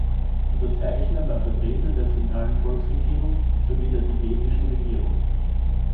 Unterzeichner waren Vertreter der Zentralen Volksregierung sowie der tibetischen Regierung.